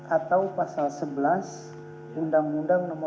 atau pasal sebelas uu tiga puluh satu seribu sembilan ratus sembilan puluh sembilan